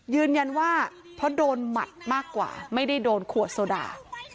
ยืนยันว่าเพราะโดนหมัดมากกว่าไม่ได้โดนขวดโซดา